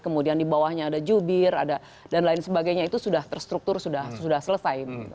kemudian di bawahnya ada jubir dan lain sebagainya itu sudah terstruktur sudah selesai